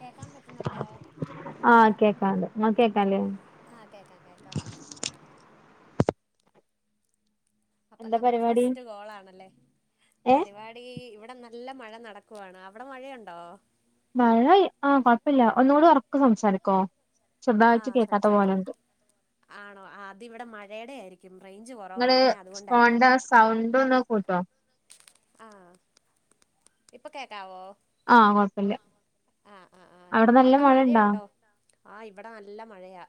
കേൾക്കാൻ പറ്റുന്നുണ്ടോ, ആഹ് കേക്കാണ്ട് ഇങ്ങക്ക് കേക്കാല്ലേ ആ കേൾകാം കേൾകാം എന്താ നമ്മടെ പരിപാടി ഫസ്റ്റ് കോളേണല്ലേ, ഏഹ് പരിപാടി ഇവിടെ നീ നല്ല മഴ നടക്കുവാണ്, അവിടെ മഴയുണ്ടോ മഴ, അ കൊഴപ്പുല ഒന്നുടെ ഒറക്ക സംസാരികൊ ആ സംസാരിക്. ആണോ അതു ഇവിടെ മഴടെ ആയിരിക്കും. റേഞ്ച് ഇങ്ങള് കുറവാണേ, അതായിരിക്കും. ഫോണിന്റെ സൗണ്ട് ഒന്ന് കൂട്ടോ മം. ഇപ്പോ കേക്കാവോ ആ കുഴപ്പല്യ ആഹ് ആ ഇവിടെ നല്ല മഴയാ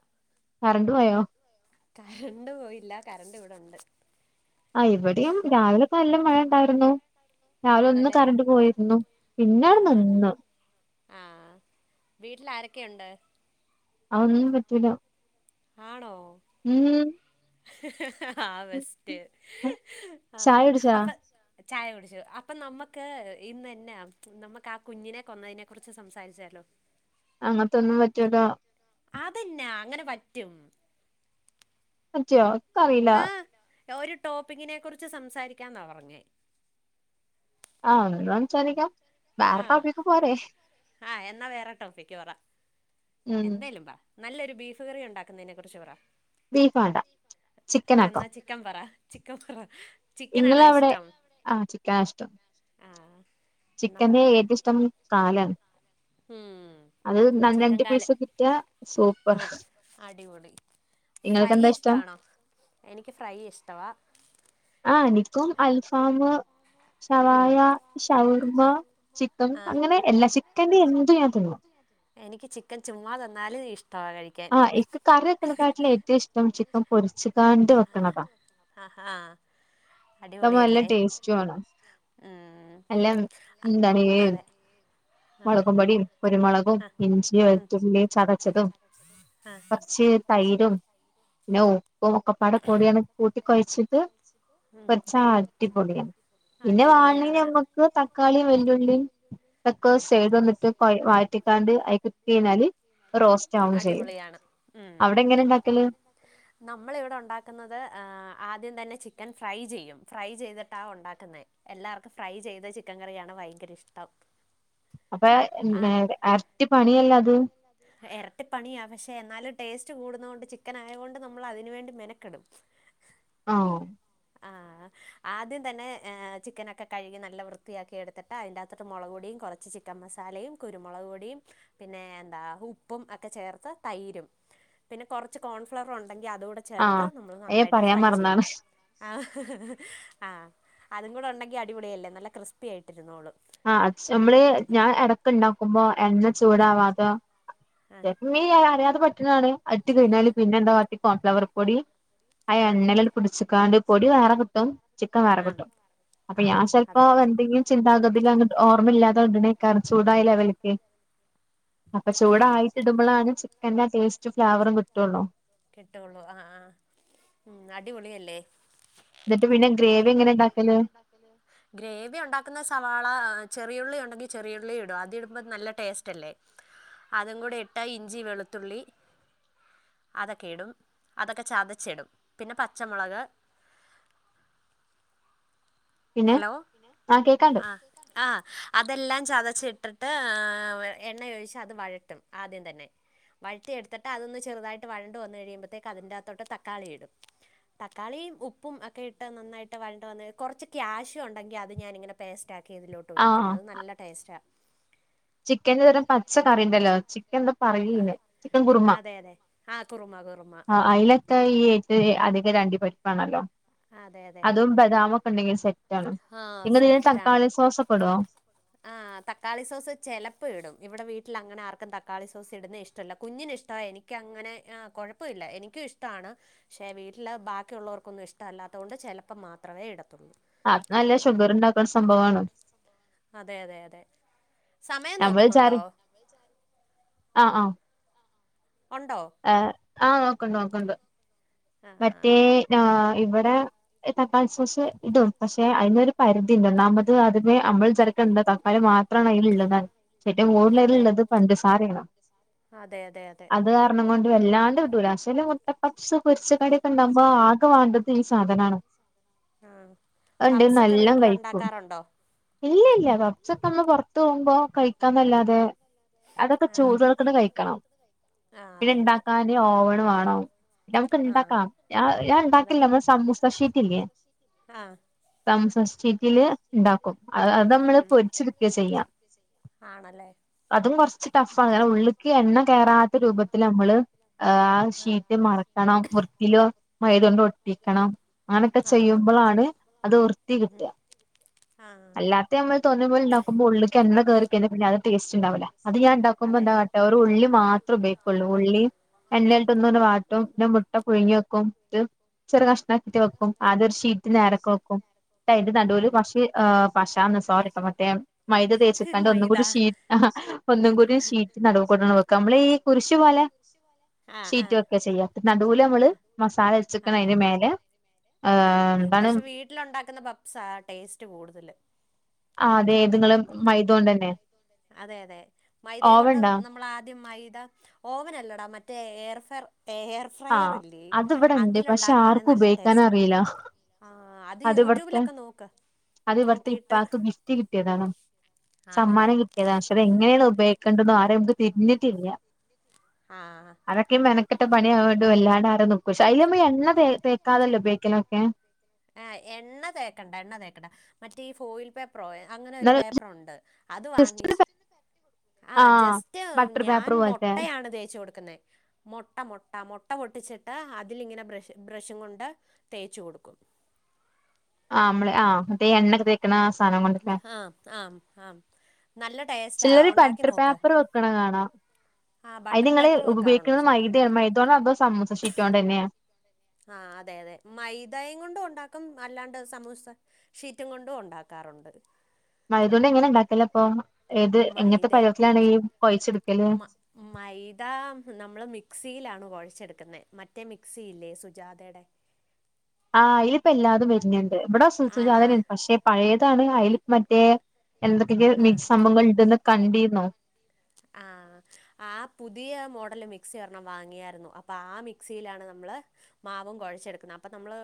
കറണ്ടുപോയോ കരണ്ട് പോയില്ല, കരണ്ട് ഇവിടെ ഉണ്ട്. ആ ഇവടെയും രാവിലെ നല്ല മഴയുണ്ട്. [unintelligible] രാവിലെ ഒന്ന് ആണല്ലേ കരണ്ട് പോയിരുന്നു. പിന്നെ ആഹ് അങ്ങട് ആഹ് ആഹ് നിന്ന് ക്കുണ്ട്. അതൊന്നും പറ്റൂല. ആണോ മം ഹ ഹ ഹ ആ ബെസ്റ്റ് ഹ് ചായ ഹ് കുടിച്ചാ അപ്പ ആ ചായ കുടിച്ചു. അപ്പ നമ്മക്ക് ഇന്നന്നെ നമ്മക്ക് ആ കുഞ്ഞിനെ കൊന്നതിനെ കുറിച്ച് സംസാരിച്ചാലോ. അങ്ങനെത്തെ ഒന്നും പറ്റുല്ല അതന്നെ അങ്ങനെ പറ്റും. പറ്റോ, എക്കറിയില്ല ആ ഒരു ടോപികിനെ കുറിച്ച് സംസാരിക്കാ എന്ന് പറഞ്ഞെ. ആ എന്നാ സംസാരിക്കാ ആ എന്നാ വേറെ ടോപ്പിക്ക് പറ, ഉം എന്തേലും പറ നല്ലൊരു ബീഫ് കറി ഉണ്ടാകുന്നതിനെ കുറിച്ച് പറ. ബീഫ് വേണ്ട ചിക്കൻ ആക്കാ എന്നാ ചിക്കൻ പറ. ചിക്കൻ പറ ഇങ്ങള് ചിക്കനാണോ അവിടെ ഇഷ്ടം? അ ചിക്കൻ ആണ് ഇഷ്ടം ആ എന്നാ പറ. ചിക്കന്റെ ഏറ്റവും ഇഷ്ടം കാലാണ് ഉം ചിക്കൻ [unintelligible] കാല് പീസ് കിട്ടിയ ആ സൂപ്പറാ അടിപൊളി. ഫ്രൈ ഇഷ്ടമാണോ എനിക്ക് ഫ്രൈസ്റ്റാ ആഹ് എനിക്കും അൽഫാംമ് ഉം സവായ ഷവർമ ആ ചിക്കമ് ആ അങ്ങനെയല്ല ചി എനിക്ക് ചിക്കൻ ചുമ്മാ തന്നാൽ റീസ് അ ഇക്ക് കറി വെക്കണേ കാറ്റിലും ഏറ്റമ് ഇഷ്ടം ചിക്കൻ പൊരിച്ച് കാണ്ട് ഞങ്ങക്ക അ ഹ അടിപൊളി അതാവുമ്പോ നല്ല അല്ലേ ടേസ്റ്റും ആണ് മ് നല്ല അതെ ആ മുളകുപൊടി കുരുമുളക്കും ആ ഇഞ്ചി ഉം, വെളുത്തുള്ളി ചതച്ചതും ആ കുറച്ച് തൈരും നഹു ഉപ്പും ഒക്കെ പാടെ കൂട്ടിക്കുഴച്ച് ത് ഉം. വെച്ചാ അടിപൊളിയാണ് പിന്നെ അടിപൊളിയാണ് വേണമെങ്കിൽ നമുക്ക് തക്കാളി വലിയ ഉള്ളി ഒക്കെ ആ, സീടുന്നിട്ടു കൊ വഴറ്റികണ്ട് അയക്ക് പിഴിഞ്ഞാല് ഒര് റോസ്റ്റ് ആകും ചെയ്യും അടിപൊളിയാണ് ഉം. അവിടെ എങ്ങനെ ഉണ്ടാക്കല് നമ്മളിവിടെ ഉണ്ടാക്കുന്നത് ആ, ആദ്യം തന്നെ ചിക്കൻ ഫ്രൈ ചെയ്യും ഫ്രൈ ചെയ്തിട്ടാണ് ഉണ്ടാക്കുന്ന എല്ലാവർക്കും ഫ്രൈ ചെയ്ത് ചിക്കൻ കറിയാണ് ഭയങ്കര ഇഷ്ടം അപ്പം ഇരട്ടി പണിയില്ലേ അത് ഇരട്ടി പണിയാ പക്ഷേ എന്നാലും ടെസ്റ്റ് കൂടുന്നു കൊണ്ട് ചിക്കൻ ആയതുകൊണ്ട് അതിനുവേണ്ടി മെനക്കെടും അ അ ആദ്യം തന്നെ ചിക്കനൊക്കെ കഴുകി നല്ല വൃത്തിയാക്കി എടുത്തിട്ട് അയിന്റെ മുളകുപൊടി കുറച്ച് ചിക്കൻ മസാലയും കുരുമുളക് പൊടി പിന്നെ അ ഉപ്പും ഒക്കെ ചേർത്ത് തൈരും പിന്നെ കുറച്ച് കോൺഫ്ലവർ പൊടി ഉണ്ടെങ്കിൽ അതുകൂടെ ചേർത്ത് ആഹ് അത് ഞാൻ നന്നായിട്ട് പറയാൻ ഫ്രൈ ചെയ്യാം മറന്നാണ് അ അ അതുകൂടെ ഉണ്ടെങ്കിൽ അടിപൊളി അല്ലേ നല്ല ക്രിസ്പി ആയിട്ട് നിന്നോളും അ നമ്മള് ഇടക്ക് ഉണ്ടാക്കുമ്പോ എണ്ണ ചൂടാവാതെ ആ [unintelligible] അറിയാതെ പറ്റി [unintelligible] ഇട്ട് കഴിഞ്ഞാൽ പിന്നെ എന്താ കാട്ട കോൺഫ്ലവർ പൊട്ടി ആ എണ്ണല് പിടിച്ച് കാണ്ട് പൊടി വേറെ കിട്ടും ചിക്കൻ വേറെ ആ കിട്ടും അപ്പം ആ ഞാൻ അതെ അതെ സ്വല്പം ചിന്താഗതി ന്നിട്ട് ഓർമയില്ലാതെ ആയ [unintelligible] കറച്ചൂതായ ലെവൽക് അപ്പ ആ ചൂടായിട്ട് ഇടുമ്പോളാണ് ച് ആ ടേസ്റ്റും ഫ്ലേവറും കിട്ടുള്ളൂ കിട്ടുള്ളു ആ ആഹ് അടിപൊളിയല്ലേ എന്നിട്ട് പിന്നെ ഗ്രേവി എങ്ങനെ ഇണ്ടാക്കല് ഗ്രേവി ഉണ്ടാകുന്നത് സവാള ച് ചെറിയുള്ളി ഉണ്ടെങ്കിൽ ചെറിയുള്ളിയിടും അതിടുമ്പോൾ നല്ല ടെസ്റ്റല്ലേ അതുംകൂടിഇട്ടാൽ ഇഞ്ചി വെളുത്തുള്ളി അതക്കെയിടും അതക്കെ ചതച്ചിടും പിന്നെ പച്ചമുളക് പിന്നെ ഹലോ ആ കേക്കാണ്ട് അ ആ അതെല്ലാം ചതച്ചിട്ടിട്ട് എണ്ണ ഒഴിച്ച് അത് വയട്ടും ആദ്യം തന്നെ വയട്ടി എടുത്തിട്ട് അതൊന്നു ചെറുതായിട്ട് വാഴണ്ടുവന്ന് കഴിയുമ്പഴേത്തേക്ക് അതിന്റത്തോട് തക്കാളി ഇടും തക്കാളിയും ഉപ്പും ക്കെ ഇട്ട് നന്നായിട്ട് വഴണ്ട് വന്ന് കൊറച്ച് കാഷ്യു ഉണ്ടെങ്കിൽ അത് ഞാൻ ഇങ്ങനെ പേസ്റ്റ് ആക്കി ഇതിലൊട്ടൊഴിക്കും ആഹ് അത് നല്ല ടേസ്റ്റാ ചിക്കന്റെ ഒരുതരം പച്ച കറി ഇണ്ടല്ലോ ചിക്കൻ എന്താ പറയിന്നെ ചിക്കൻ കുറുമ അതെ അതെ ആ കുറുമ കുറുമ ആ അതിലൊക്കെ ഈഏ അ രണ്ടി പരിപ്പാണല്ലോ അതെ അതെ അതെ അതും ബദാമും ഒക്കെ ഇണ്ടെങ്കിൽ സെറ്റ് ആണ് ആഹ് നിങ്ങളിതിന് സെറ്റാണ് തക്കാളി സോസൊക്കെ ഇടുവോ ചെലപ്പ ഇടും ഇവിടെ വീട്ടിലങ്ങനെ ആർക്കും തക്കാളി സോസ് ഇടുന്ന ഇഷ്ടല്ല കുഞ്ഞിന് ഇഷ്ടമാണ് എനിക്കങ്ങനെ ആ കുഴപ്പമില്ല എനിക്കും ഇഷ്ടാണ് പക്ഷേ വീട്ടിൽ ബാക്കിയുള്ളവർക്കൊന്നും ഇഷ്ടം അല്ലാത്തതുകൊണ്ട് ചെലപ്പം മാത്രവേ ഇടത്തുള്ളൂ അതല്ല ഷുഗർ ഇണ്ടാക്കണ സംഭവമാണ് അതെ അതെ അതെ സമയം നമ്മള് നോക്കുന്നുണ്ടോ ആ ആ ഉണ്ടോ ആ ആ നോക്കണ്ട് നോക്കണ്ട് ആഹ് മറ്റേ ആ ഇവിടെ തക്കാളി സോസു ഇടും പക്ഷെ അതിനൊരു പരിധി ഉണ്ട് ഒന്നാമത് അത് അമ്മൾ ചെറക്കണ്ട തക്കാളി മാത്രമാണ് അതിൽള്ളത് ചേറ്റവും അതെ കൂടുലതലുള്ളത് പഞ്ചസാരയാണ് അതെ അതെ അതെ അത് അ വല്ലാണ്ട് ഇടൂല്ല പക്ഷെ മുട്ട പെപ്സും സാധനാണ് ആ അത്ണ്ടെങ്കി പപ്സൊക്കെ നല്ലോം കഴിക്കും വീട്ടിലൊണ്ടാക്കാറുണ്ടോ ഇല്ല ഇല്ല പപ്സൊക്ക നമ്മള് പൊറത്ത് പോകുമ്പോ കഴിക്കാന്നല്ലാതെ അതൊക്കെ ആഹ് ചൂടോടെ തന്നെ കഴിക്കണം ആഹ് അതെ അതെ ഇതിണ്ടാക്കാന് ഓവണ് വേണം നമുക്ക് ആഹ് ഇണ്ടാക്കാം ഞാൻ അതെ ഇണ്ടാക്കില്ല നമ്മടെ സമൂസ ഷീറ്റില്ലേ ആഹ് സമൂസ ഷീറ്റില് ഇണ്ടാക്കും അത് നമ്മള് പൊരിച്ചെടുക്ക ചെയ്യാ ആണല്ലേ അതും കുറച്ച് ടഫ്ങ്ങനെ ഉള്ളിക്ക് എണ്ണകേറാ രൂപത്തിൽ നമ്മള് ആ ഷീറ്റ് മറക്കണം വൃത്തിയിലോ മൈത കൊണ്ട് ഒട്ടിക്കണം അങ്ങനെയൊക്കെ ആഹ് ചെയ്യുമ്പോഴാണ് അത് വൃത്തി കിട്ടുക ആഹ് അല്ലാത്തെ നമ്മള് തോന്നിയപോലുണ്ടോക്കുമ്പോ ഉള്ളക്ക് എണ്ണ കേറി കഴിഞ്ഞാൽ പിന്നെ അത് ടേയ്സ് ണ്ടാവില്ല അത് ഞാൻ ഉണ്ടാക്കുമ്പോ അതെ അതെ എന്താട്ട ഒരു ഉള്ളി മാത്രേ ഉപയോഗിക്കുള്ളൂ ഉള്ളി എണ്ണയിൽട്ട് ഒന്ന് വാട്ടും പിന്നെ മുട്ട പുഴുങ്ങി വെക്കുംത് ചെറിയ കഷ്ണം ആക്കി വെക്കും ആത് ഒരു ഷീറ്റ് നേരക്ക് വെക്കും അതിന്റെ നടുവൽ ഉം പക്ഷി ആ പശാന്ന് [unintelligible] മൈദ തേച്ച്ക്കാണ്ട് മൈദ ഒന്നുകൂടി ഷീ ഒന്നുകൂടി ഷീറ്റ് നടുകൂടി വെക്ക നമ്മളീ കുരിശ് പോലെ ആഹ് ഷീറ്റ് ആഹ് വെക്ക ചെയ്യാ നടൂൽ നമ്മള് മസാല വെച്ചട്ട് അതിന്റെ മേലെ ആ ഏഹ് എന്താണ് പക്ഷെ വീട്ടില് ഉണ്ടാകുന്ന പഫ്സാ ടേസ് ടേസ്റ്റ് കൂടുതൽ അതെ ഇത് നിങ്ങള് അതെ അതെ മൈദേ കൊണ്ട് ഓവൻണ്ടാ നമ്മള് ആദ്യം മൈ ദ ഓവൺ അല്ലെടാ മറ്റേ എയർ ഫെയർ എയർ ഫ്രയർ ആഹ് ഇല്ലേ അതിവിടെ ഇണ്ട് പക്ഷെ അതിലുണ്ടാക്കുവാണേ ആർക്കും നല്ല ഉപയോഗിക്കാനും ടേസ്റ്റാ അറിയില്ല അത് ഇവിടുത്തെ അത് ഇവിടുത്തെ ഇപ്പാക്ക് ഗിഫ്റ്റ് കിട്ടിയതാണ് ആണല്ലേ സമ്മാനം കിട്ടിയതാ പക്ഷെ അതെങ്ങനെ ഉപയോഗിക്കിക്കെണ്ടന്ന് ആർ എന്തും തിരിഞ്ഞിട്ടില്ല ആഹ് അതൊക്ക മെനക്കെട്ട പണിയായ ഇത് വല്ലാണ്ട ആരോ [unintelligible] പക്ഷേ അയിൽ നമ്മള് എണ്ണ തേക്കാതെ അല്ലെ ഉപയോഗിക്കലൊക്കെ ആ എണ്ണ തേക്കണ്ട എണ്ണ തേക്കണ്ട മറ്റേ ഈ ഫോയിൽ പേ ഫോയിൽ അങ്ങനെ ഒരു എന്നാലും പേപ്പർ ഉണ്ട് അത് ജസ്റ്റ് വാങ്ങിച്ച് ആ ആഹ് ജസ്റ്റ്‌ ബട്ടർ ഞാൻ പേപ്പർ പോലത്തെ മൊട്ടയാണ് തേച്ച് കൊടുക്കുന്നെ മൊട്ട മൊട്ട മൊ മുട്ട പൊട്ടിച്ചിട്ട് അതിലിങ്ങനെ ബ്രഷ് ബ്രഷും കൊണ്ട് തേച്ച് കൊടുക്കും ആ നമ്മള് ആ ദേ എണ്ണ തേക്ക്ണ സാധനം കൊണ്ട് അല്ലെ ആ ആ ആ നല്ല ടേസ്റ്റാ ചെലർ ഉണ്ടാക്കി ബട്ടർ നോക്ക് പേപ്പർ വെക്ക്ണ കാണാ ആ അയിൽ ബട്ടർ ഇങ്ങള് പേപ്പർ വെക്കാറുണ്ട് ഉപയോഗിക്കുന്നത് ചില മൈദ മൈദോണ്ടാണോ സമൂസ ഷീറ്റോണ്ടെന്നേ ആ അതെ അതെ മൈദയും കൊണ്ട് ഉണ്ടാക്കും അല്ലാണ്ട് സമൂസ ഷീറ്റും കൊണ്ടും ഉണ്ടാക്കാറുണ്ട് മൈദോണ്ട് എങ്ങനെ ഇണ്ടാക്കലപ്പോ മൈദ കൊഴച്ചെടുക്കല് മൈ മൈദാ നമ്മള് മിക്സിയിൽ ആണോ കൊഴച്ചെടുക്കുന്നെ മറ്റേ മിക്സി ഇല്ലേ സുജാതേടെ ആ അയിലിപ്പോ എല്ലാതും വര്ണ് ണ്ട് ഇവിടെ ആ സുജാതന്നെ ആണ് പക്ഷെ പയേത് ആണ് അയിൽ മറ്റെ എന്തോക്കെക്കെ ആ മിക്സ്‌ സംഭവങ്ങൾ ഉണ്ടെന്ന് കണ്ടീന്നോ ആ ആ പുതിയ മോഡൽ മിക്സി ഒരെണ്ണം വാങ്ങിയാർന്നു അപ്പൊ ആ മിക്സിയിൽ ആണ് നമ്മള് മാവും കൊയച്ചെടുക്കുന്നത് അപ്പൊ നമ്മള്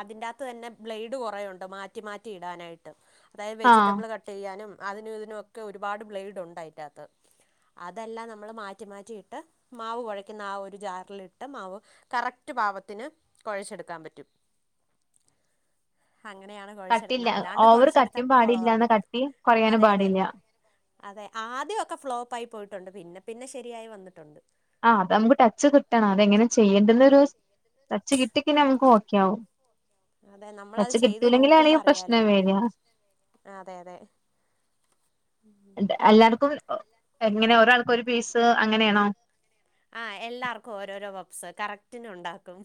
അതിന്റെകത്ത് തന്നെ ബ്ലൈഡ് കൊറേ ഉണ്ട് മാറ്റി മാറ്റി ഇടാനായിട്ട് അതായത് ആഹ് വെജിറ്റബിൾ കട്ട്‌ ചെയ്യാനും അതിനും ഇതിനും ഒക്കെ ഒരു പാട് ബ്ലേഡ് ഉണ്ട് അയ്റ്റകത്ത് അതെല്ല നമ്മൾ മാറ്റി മാറ്റി ഇട്ട് മാവ് കൊയക്കുന്ന ആ ഒരു ജാറിലിട്ട് മാവ് കറക്റ്റ് പാവത്തിന് കൊയച്ചെടുക്കാൻ പറ്റും അങ്ങനെയാണ് കുഴച്ചെടുക്കുന്നത് തട്ടില്ല അല്ലാണ്ട് ഓവർ കട്ടിം കുഴച്ചെടുത്താൽ പാടില്ല എന്നാ കുളവാകും കട്ടി കൊറയാനും അതെ അതെ പാടില്ല അതെ ആദ്യം ക്കെ ഫ്ലോപ്പ് ആയി പോയിട്ടുണ്ട് പിന്നെ ശെരിയായി വന്നിട്ടുണ്ട് ആ അത് നമ്മക്ക് ടച്ച്‌ കിട്ടണം അതെങ്ങനെ അതെ ചെയ്യണ്ടിന്നുള്ള ടച്ച്‌ കിട്ടിയ നമ്മക്ക് ഓക്കേ ആകും അതെ നമ്മള് അതെ ചെയ്തു നോക്കുമ്പോ ഈ അറിയാലോ പ്രശ്നം വരിക അതെ അതെ അതെ ണ്ട് എല്ലാർക്കു എങ്ങനെ ഒരാൾക്ക് ഒര് പീസ് അങ്ങനെണോ ആ എല്ലാർക്കും ഓരോരോ പപ്സ് കറക്റ്റ്ന്ണ്ടാകും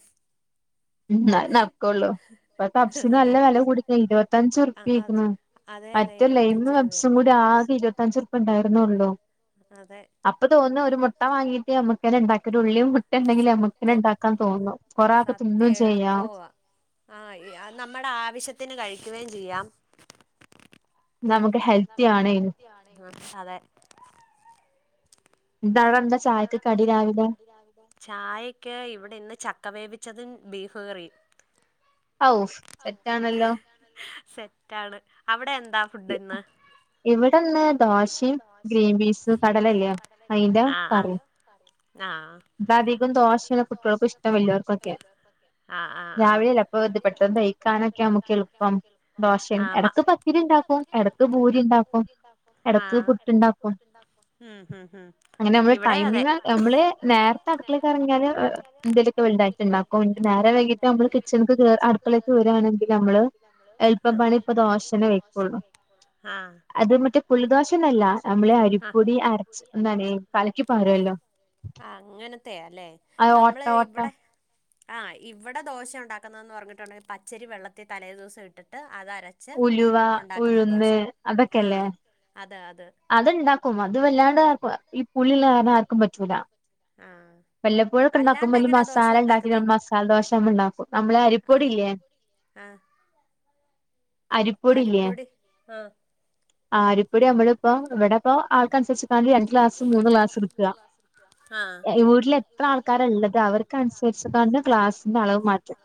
ൻ അതെ നക്കൊള്ളു ഇപ്പം കപ്സ്ന് അതെ നല്ല വെല കൂടീണ് ഇരുപതഞ്ച് ആ ആ ഉർപയ്ക്ണ് അതെ അതെ മറ്റേലൈമും ഇരുപത്തഞ്ച് രൂപ പപ്സും കൂടി ആകെ ഇരുപതഞ്ച്ർപണ്ടാ ന്നെള്ളു അതെ അപ്പ തോന്നു ഒരു മുട്ട വാങ്ങീട്ട് ഞമ്മക്കന്നെണ്ടാക്ക ഒരു ഉള്ളി മു ട്ട ഇങ്ങങ്കില് നമ്മക്കെന്നെ ണ്ടാകാന്ന് തോന്നും പോറാ ത് എളുപ്പുവാ ആ നമ്മടെ ആവശ്യത്തിന് ക [unintelligible] ചെയ്യാം നമുക്ക് ഹെൽത്തി ആണ് അതെ എന്താണ് എന്താ ചായക്ക് കടി രാവിലെ ചായക്ക് ഇവിടെ ഇന്ന് ചക്ക വേവി ച്ചതും ബീഫ് കറിയും അവ് സെറ്റാണ ല്ലേ സെറ്റ് ആണ് അവിടെ മ് എന്താ ഫുഡ്ന്ന് ഇവിടെന്ന് ഇവിടെ ഇന്ന് ദോശയും ദോഷിം ഗ്രീൻ പീസും ഗ്രീൻ പീസ് കടലല്ലേ കടല ല്ലേ അയിന്റെ അ ആ കറിയും ക ആ ഇത് അധികം ദോശയാണ് കുട്ടികൾക്ക് ഇഷ്ടം വലിയവർക്കൊക്കെ ആ ക്കാനെക്കെ നമ്മക്ക് എളുപ്പം ദോശേണ് ആഹ് മ എടക്ക് പത്തിരി ണ്ടാക്കും എടക്ക് പൂരിണ്ടാക്കും എടക്ക് ഇണ്ടാക്കും പുട്ട് ണ്ടാക്കും ഉം ഉം ഉം അങ്ങനെ നമ്മള് ഇവിടെ അതെ ടൈമിങ്ങാ നമ്മള് നേരത്തെ അട്ക്കളേ ക്ക് എറങ്ങിയാല് ന്തേലൊക്കെ വലുതായിട്ട്ണ്ടാക്കും നേരം വൈകീണ്ട് നമ്മള് കിച്ചൺ ക്ക് കേറാ അട്കളേക്ക് വരാ താ ണക്കി നമ്മള് എള്പ്പപണി പ്പം ദോശ ന്നെ വൈകൊള്ളു ആഹ് ആഹ് അത് മറ്റേ പുളി ദോശന്നും അല്ല നമ്മള് അരി പൊടി അരച്ച് ന്താണേ കലക്കി പാരു ലൊ ആ അങ്ങനത്തെ യാലെ നമ്മള് ഓട്ട ഇവടെ ആ ഇവടെ ദോശ ഉണ്ടാകുന്നന്ന് പറഞ്ഞിട്ടുണ്ടേ പ ച്ചരി വെള്ളത്തിൽ തലേ ദീസം ഇട്ട് ട്ട് അത് അരച്ച് ഉലുവാ ഉഴുന്ന് അതെക്കെ ല്ലേ ആഹ് അത് അത് അത്ണ്ടാക്കൂം അത് വല്ലാണ്ട് ആകൂ ഈ പുളിയുള്ള കാരണം ആർക്കും പറ്റൂലാ ആഹ് വല്ല പ്പോയും അല്ലാണ്ട് എങ്ങനാ ദോശ ണ്ടാകുപ്പോമസാല ണ്ടാക്കിക് ഉണ്ടാക്കുന്നേ ണ്ട് മസാല ദോശ മ്മൾ ണ്ടാകും നമ്മളെ അരി ആഹ് പൊടില്ലേ അരി പൊടി ആ അരി പൊടി നമ്മള് പ്പം വടെപ്പം ആൾക്ക് അൻ സരിച്ച് കാണ്ട് രണ്ട് ക്ലാസ് മൂന്ന് ക്ലാസ്‌ ഇട്ക്കാ ആഹ് എത്ര ആൾക്കാരാ ഉള്ളത് അവർക്ക്നുസരിച്ചകാണ്ട് ഗ്ലാസിന്റെ അളവ് മാറ്റും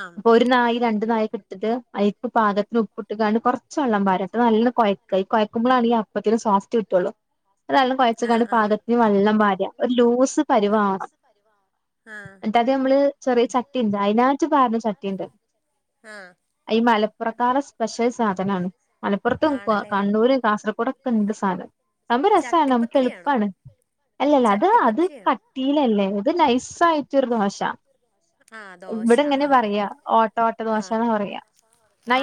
ആഹ് ഒരു നാഴി രണ്ട് നാഴി എടുത്ത്ട്ട് ആയിക്ക് പാകത്തെ ഉപ്പ് ഇട്ട്കാണ്ട് കുറച്ചു വെള്ളം പാരും ന്നട്ട് നല്ലോണം കൊഴക്കും കോഴക്കുമ്പളാണ് ഈ അപ്പത്തിന് സോഫ്റ്റ്‌ കിട്ടോളൂ അത് നല്ലോണം ആഹ് കൊഴച്ചിക്കാണ്ട് പാകത്തിന് വെള്ളം പ്പാര ഒരു ലൂസ് പരിവാവണം ആഹ് ആഹ് ന്നട്ട് ഒരു അത് നമ്മൾ ചെറിയ ചട്ടിണ്ട് അയിനായിട്ട് പരുന്നെ ചട്ടിണ്ട് ആഹ് അത് മലപ്പുറക്കരുടെ സ്പെഷൽ സാധനം ആണ് മലപ്പുറത്തും ക ആണല്ലേ കാസർഗോഡ് ഒക്കെ ഉണ്ട് സാധനം സംഭവം രസാണ് നമ്മക്ക് ചട്ടിപ്പത്തിരിയാണോ എളുപ്പാണ് ആല്ലല്ല അത് അത് ചട്ടിപ്പത്തിരിയാണോ കാട്ടിയിലല്ലേ ഇത് നൈസായിട്ട് ചുടുന്ന ദോശ ആഹ് ദോശ ആഹ് ആഹ് ആ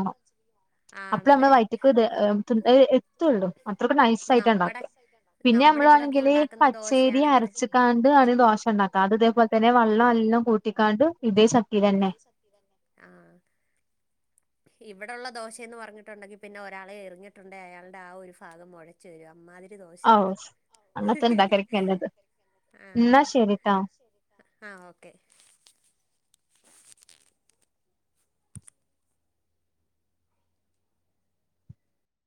[unintelligible] അപ്പളേ നമ്മളെ ആണല്ലേ വയറ്റിൽക്ക് എത്തുള്ളു അത്രക്കും നൈസ് ആയിട്ടാണ് ഉണ്ടാക്ക നമ്മടെ പിന്നെ നമ്മുടെ നമ്മൾ ഇവിടൊക്കെ ആണെങ്കിൽ ഉണ്ടാക്കുന്ന പച്ചരി ദോശയാണെങ്കില് അരച്ച് കാണ്ട് അത് ദോശ ഉണ്ടാക്ക അത് ഇതേപോലെ വെള്ളം നല്ലോം കൂട്ടി കാണ്ട് ഇതേ ആ ചട്ടിലെന്നെ ഇവിടുള്ള ദോശ ഇവിടുന്നു പറഞ്ഞിട്ടുണ്ടങ്കിൽ പിന്നെ ഒരാളെ എറിഞ്ഞിട്ടുണ്ടങ്കിൽ അയാളുടെ ആ ഒരു ഫാഗം മോഴച്ചു വരും അമ്മാതിരി കട്ടി ഔ ദോശയാണ് അങ്ങനത്തെ ഇണ്ടാക്കലൊക്കെ നല്ലത് എന്നാ ശരിട്ടോ ആ ഓക്കേ